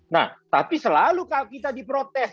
nah tapi selalu kita diprotes